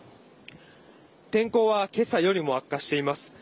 天候は今朝よりも悪化しています。